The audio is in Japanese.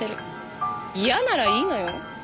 嫌ならいいのよ？